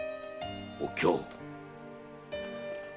お京。